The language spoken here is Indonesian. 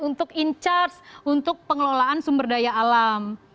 untuk in charge untuk pengelolaan sumber daya alam